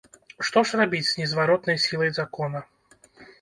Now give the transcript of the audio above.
Што ж рабіць з незваротнай сілай закона?